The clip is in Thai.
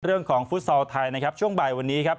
เรื่องของฟุตซอลไทยช่วงบ่ายวันนี้